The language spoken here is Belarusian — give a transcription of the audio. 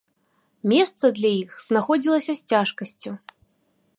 Месца для іх знаходзілася з цяжкасцю.